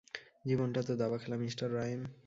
জীবনটা তো দাবা খেলা, মিঃ রাইম।